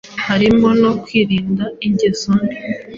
harimo no kwirinda ingeso mbi